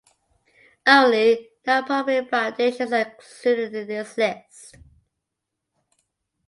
Only nonprofit foundations are included in this list.